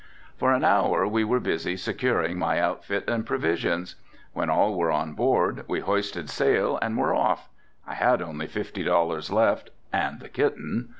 For an hour we were busy securing my outfit and provisions. When all were on board we hoisted sail and were off, I had only fifty dollars left and the kitten.